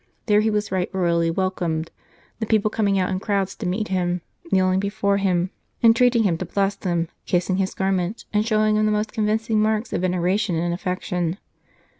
There he was right royally welcomed, the people coming out in crowds to meet him, kneeling before him, entreating him to bless them, kissing his garments, and showing him the most convincing marks of veneration and affection.